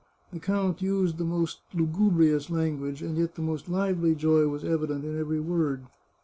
The count used the most lugubrious language, and yet the most lively joy was evident in every word.